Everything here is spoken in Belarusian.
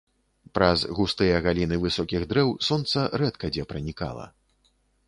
Праз густыя галіны высокіх дрэў сонца рэдка дзе пранікала.